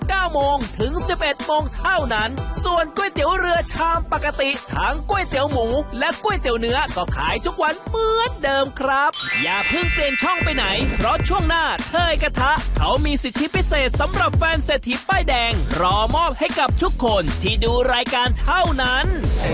และกล้วยเตี๋ยวเนื้อก็ขายทุกวันเหมือนเดิมครับอย่าเพิ่งเตรียนช่องไปไหนเพราะช่วงหน้าเฮยกระทะเขามีสิทธิพิเศษสำหรับแฟนเศรษฐีป้ายแดงรอมอบให้กับทุกคนที่ดูรายการเท่านั้น